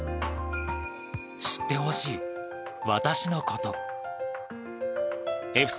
知ってほしい、私のこと。笑